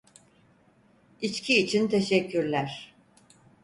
İçki için teşekkürler.